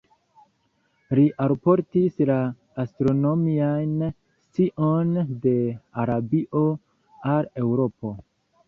Li alportis la astronomian scion de Arabio al Eŭropo.